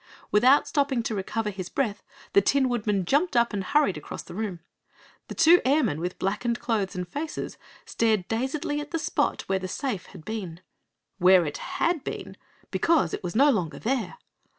Without stopping to recover his breath, the Tin Woodman jumped up and hurried across the room. The two airmen, with blackened clothes and faces, stared dazedly at the spot where the safe had been. Where it had been because it was no longer there!